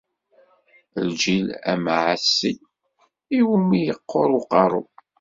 Lǧil amɛaṣi, iwumi i yeqqur uqerru.